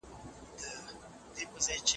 په قلم خط لیکل د ازموینو د ورکولو اصلي لاره ده.